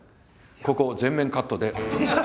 ここ全面カットで。